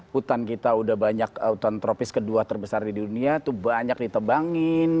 hutan kita udah banyak hutan tropis kedua terbesar di dunia itu banyak ditebangin